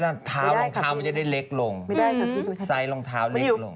แล้วเท้ารองเท้ามันจะได้เล็กลงไซส์รองเท้าเล็กลง